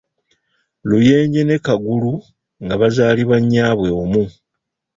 Luyenje ne Kagulu nga bazaalibwa nnyaabwe omu.